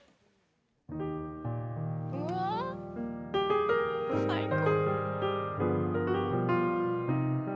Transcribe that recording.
うわ最高。